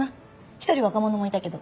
一人若者もいたけど。